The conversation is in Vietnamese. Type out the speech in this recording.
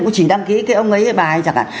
cũng chỉ đăng ký cái ông ấy hay bà ấy chẳng hạn